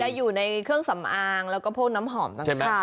ส่วนใหญ่จะอยู่ในเครื่องสำอางแล้วก็พวกน้ำหอมต่าง